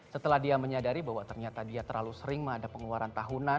setelah dia menyadari bahwa ternyata dia terlalu sering menghadapi pengeluaran tahunan